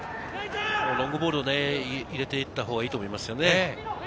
ロングボールをね、入れて行ったほうがいいと思いますね。